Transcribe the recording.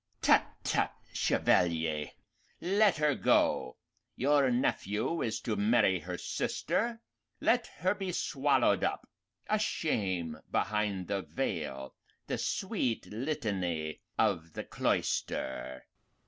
Tut, tut, Chevalier. Let her go. Your nephew is to marry her sister; let her be swallowed up a shame behind the veil, the sweet litany of the cloister."